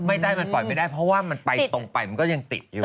ไม่ได้มันปล่อยไม่ได้เพราะว่ามันไปตรงไปมันก็ยังติดอยู่